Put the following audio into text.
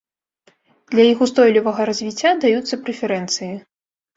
Для іх устойлівага развіцця даюцца прэферэнцыі.